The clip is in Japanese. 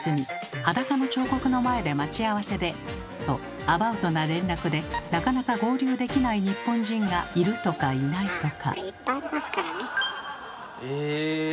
「裸の彫刻の前で待ち合わせで！」とアバウトな連絡でなかなか合流できない日本人がいるとかいないとか。